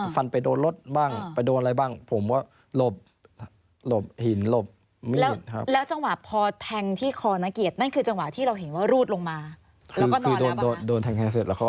ฟันไปโดนรถบ้างไปโดนอะไรบ้าง